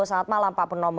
selamat malam pak purnomo